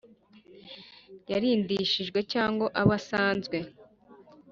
yarindishijwe cyangwa abo asanzwe